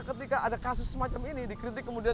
ketika ada kasus semacam ini dikritik kemudian